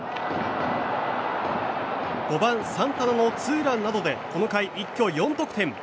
５番、サンタナのツーランなどでこの回、一挙４得点。